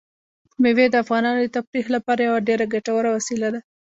مېوې د افغانانو د تفریح لپاره یوه ډېره ګټوره وسیله ده.